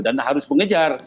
dan harus mengejar